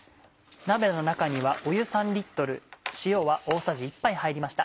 鍋の中には湯３塩は大さじ１杯入りました。